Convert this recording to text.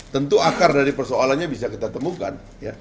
tentu akar dari persoalannya bisa kita temukan